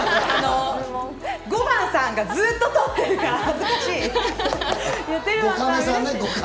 ５番さんがずっと撮ってるから恥ずかしい。